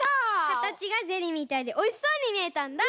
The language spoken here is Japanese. かたちがゼリーみたいでおいしそうにみえたんだ。